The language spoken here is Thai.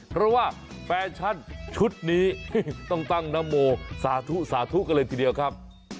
เพราะว่าแฟชั่นชุดนี้ต้องตั้งนโมสาธุสาธุกันเลยทีเดียวครับ